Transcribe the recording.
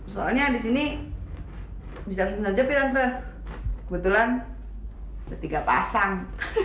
soalnya disini bisa terjadi tante kebetulan ketiga pasang